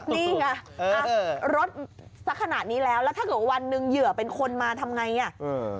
นี่ไงอ่ะรถสักขนาดนี้แล้วแล้วถ้าเกิดวันหนึ่งเหยื่อเป็นคนมาทำไงอ่ะอืม